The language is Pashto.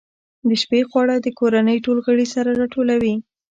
د شپې خواړه د کورنۍ ټول غړي سره راټولوي.